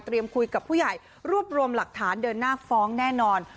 คุยกับผู้ใหญ่รวบรวมหลักฐานเดินหน้าฟ้องแน่นอน